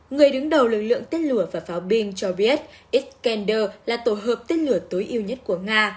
người đứng đầu lực lượng tên lửa và pháo binh cho biết israel là tổ hợp tên lửa tối ưu nhất của nga